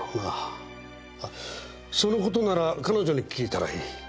あっそのことなら彼女に訊いたらいい。